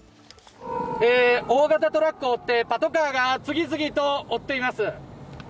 大型トラックを追って、パトカーが次々と追っています。